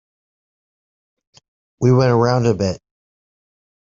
We went around a bit.